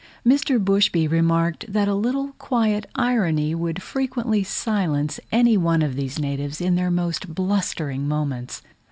Mr. Bushby remarked that a little quiet irony would frequently silence any one of these natives in their most blustering moments.